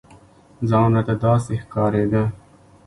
ځان ورته داسې ښکارېده.